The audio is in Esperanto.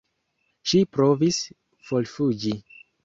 Ŝi provis forfuĝi.